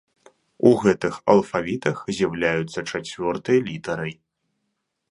У гэтых алфавітах з'яўляецца чацвёртай літарай.